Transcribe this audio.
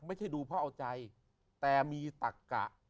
ไม่ใช่ดูเพราะเอาใจแต่มีตักกะ